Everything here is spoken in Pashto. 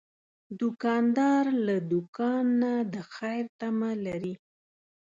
دوکاندار له دوکان نه د خیر تمه لري.